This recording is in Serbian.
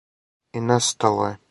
И нестало је.